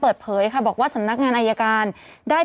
ผู้ต้องหาที่ขับขี่รถจากอายานยนต์บิ๊กไบท์